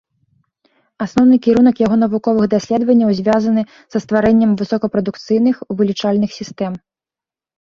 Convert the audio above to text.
Асноўны кірунак яго навуковых даследаванняў звязаны са стварэннем высокапрадукцыйных вылічальных сістэм.